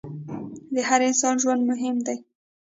د هر انسان ژوند مهم دی.